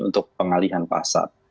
untuk pengalihan pasar